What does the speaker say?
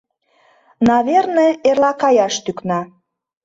— Наверне, эрла каяш тӱкна.